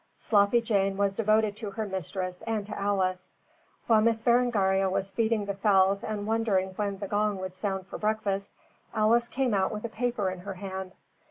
Sloppy Jane was devoted to her mistress and to Alice. While Miss Berengaria was feeding the fowls and wondering when the gong would sound for breakfast, Alice came out with a paper in her hand.